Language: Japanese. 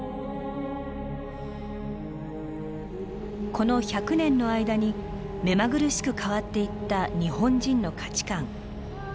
この１００年の間に目まぐるしく変わっていった日本人の価値観。